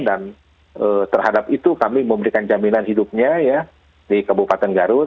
dan terhadap itu kami memberikan jaminan hidupnya ya di kabupaten garut